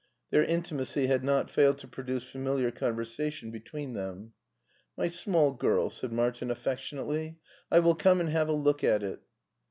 Their intimacy had not failed to produce familiar conversation between them. "My small girl," said Martin affectionately, "I will come and have a look at it."